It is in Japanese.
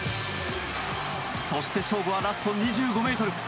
そして勝負はラスト２５ｍ。